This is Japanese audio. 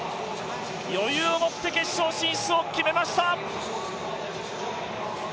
余裕をもって決勝進出を決めました。